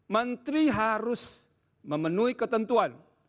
menteri harus memenuhi ketentuan